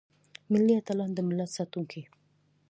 ملي اتلان دملت ساتونکي.